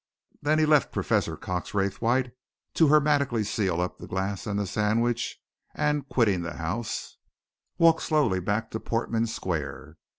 Then he left Professor Cox Raythwaite to hermetically seal up the glass and the sandwich, and quitting the house, walked slowly back to Portman Square.